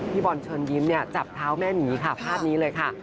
พี่บอลเชิญยิ้มจับเท้าแม่หมีค่ะภาพนี้เลยค่ะ